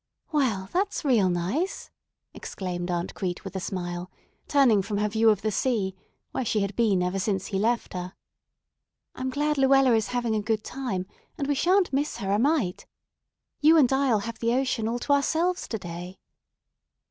"Well, that's real nice!" exclaimed Aunt Crete with a smile, turning from her view of the sea, where she had been ever since he left her. "I'm glad Luella is having a good time, and we sha'n't miss her a mite. You and I'll have the ocean all to ourselves to day."